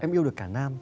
em yêu được cả nam